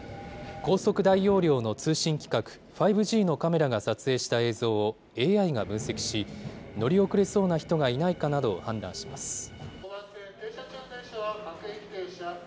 高速・大容量の通信規格、５Ｇのカメラが撮影した映像をＡＩが分析し、乗り遅れそうな人がいないかなどを判断します。